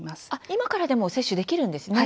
今からでも接種できるんですね。